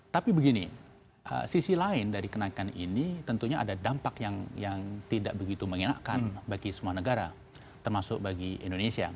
tapi begini sisi lain dari kenaikan ini tentunya ada dampak yang tidak begitu mengenakan bagi semua negara termasuk bagi indonesia